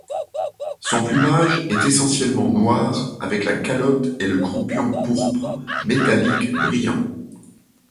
Son plumage est essentiellement noir avec la calotte et le croupion pourpre métallique brillant.